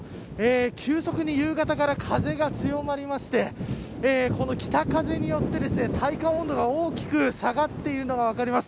急速に夕方から風が強まりましてこの北風によってですね体感温度が大きく下がっているのが分かります。